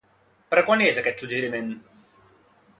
Per a quan és aquest suggeriment?